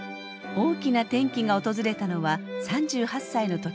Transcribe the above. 大きな転機が訪れたのは３８歳の時。